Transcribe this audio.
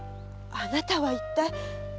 あなたはいったい？